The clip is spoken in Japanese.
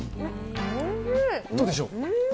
どうでしょう？